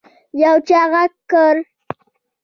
يو چا غږ کړ.